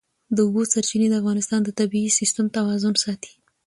د اوبو سرچینې د افغانستان د طبعي سیسټم توازن ساتي.